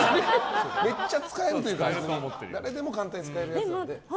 めっちゃ使えるというか誰でも簡単に使えるから。